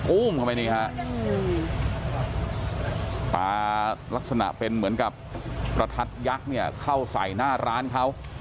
อุ้มเข้าไปนี่ฮะปลาลักษณะเป็นเหมือนกับประทัดยักษ์เนี่ยเข้าใส่หน้าร้านเขา